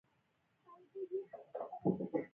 زما غبرګون د دې کار برعکس او بل ډول و.